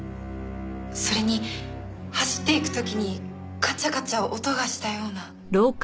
それに走っていく時にカチャカチャ音がしたような。